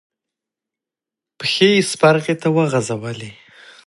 پښې يې سپرغې ته وغزولې.